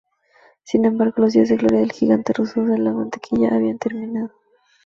Sin embargo, los días de gloria del gigante ruso de la mantequilla habían terminado.